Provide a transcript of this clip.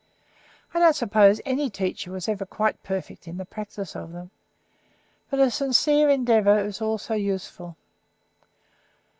I don't suppose any teacher was ever quite perfect in the practice of them, but a sincere endeavour is often useful.